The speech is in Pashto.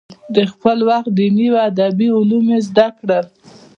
د خپل وخت دیني او ادبي علوم یې زده کړل.